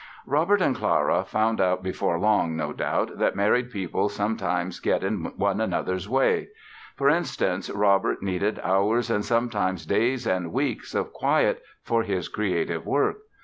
Robert and Clara found out before long, no doubt, that married people sometimes get in one another's way. For instance, Robert needed hours and sometimes days and weeks of quiet for his creative work.